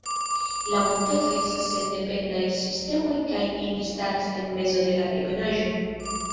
La montetoj estas sendependaj sistemoj kaj ili staras en mezo de la ebenaĵo.